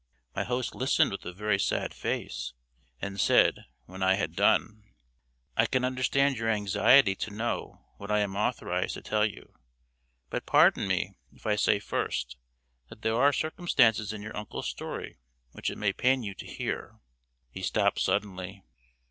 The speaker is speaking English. My host listened with a very sad face, and said, when I had done: "I can understand your anxiety to know what I am authorized to tell you, but pardon me if I say first that there are circumstances in your uncle's story which it may pain you to hear " He stopped suddenly.